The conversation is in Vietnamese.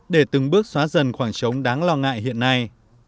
để từng bước xóa dần khoảng trống đáng lo ngại hiện nay